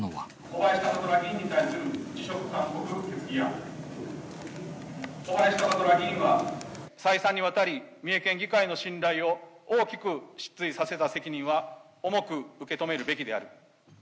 小林貴虎議員は再三にわたり、三重県議会の信頼を大きく失墜させた責任は、重く受け止めるべきである。